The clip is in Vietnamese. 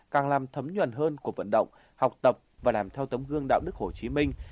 càng làm thấm nhuần hơn cuộc vận động học tập và làm theo tấm gương đạo đức hồ chí minh